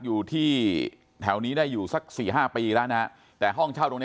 อยู่ที่แถวนี้ได้อยู่สักสี่ห้าปีแล้วนะฮะแต่ห้องเช่าตรงนี้